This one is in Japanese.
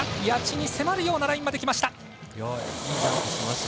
谷地に迫るようなラインまできました。